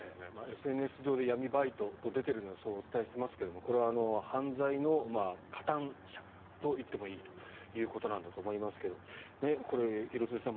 ＳＮＳ上で闇バイトと出てるのでそうお伝えしていますがこれは犯罪の加担者と言ってもいいということなんだと思いますがこれ、廣津留さん